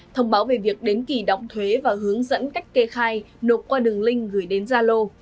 thông báo về việc đến kỳ đóng thuế và hướng dẫn cách kê khai nộp qua đường link gửi đến gia lô